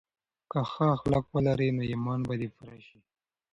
که ښه اخلاق ولرې نو ایمان به دې پوره شي.